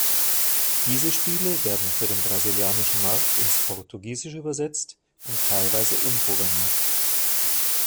Diese Spiele werden für den brasilianischen Markt ins portugiesische übersetzt und teilweise umprogrammiert.